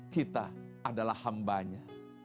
kita adalah hambanya